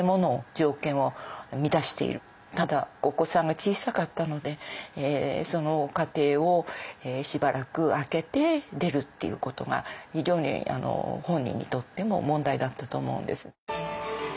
ただお子さんが小さかったのでその家庭をしばらく空けて出るっていうことが非常に本人にとっても問題だったと思うんです。